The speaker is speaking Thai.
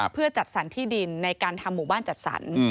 เพื่อจัดสรรที่ดินในการทำหมู่บ้านจัดสรร